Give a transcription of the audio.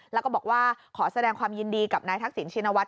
แล้วก็บอกว่าขอแสดงความยินดีกับนายทักษิณชินวัฒ